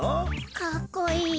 かっこいい。